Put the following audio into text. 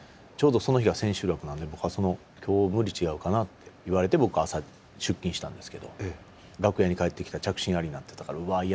ちょうどその日が千秋楽なんで僕は「今日はもう無理ちがうかな」って言われて僕朝出勤したんですけど楽屋に帰ってきたら「着信あり」になってたからうわ